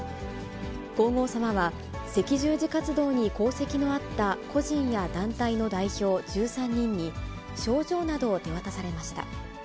皇后さまは、赤十字活動に功績のあった個人や団体の代表１３人に、賞状などを手渡されました。